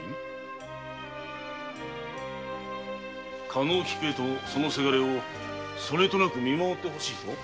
加納菊江とその倅をそれとなく見守ってほしいと？